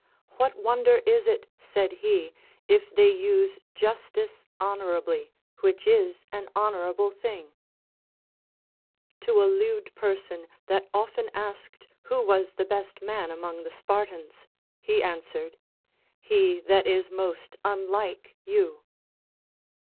What wonder is it, said he, if they use justice honorably, which is an honorable thing ? To a lewd person, that often asked who Avas the best man among tlie Spartans, he answered. He that is most unlike you.